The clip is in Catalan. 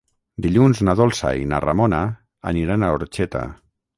Dilluns na Dolça i na Ramona aniran a Orxeta.